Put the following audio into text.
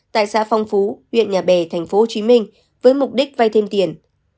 tại xã phong phú huyện nhà bè tp hcm với mục đích vay thêm tiền